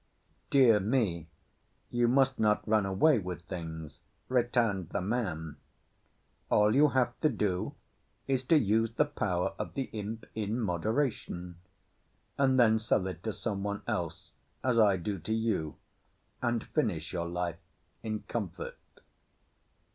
"Dear me, you must not run away with things," returned the man. "All you have to do is to use the power of the imp in moderation, and then sell it to someone else, as I do to you, and finish your life in comfort."